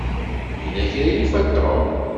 Yella kra i yufa Tom.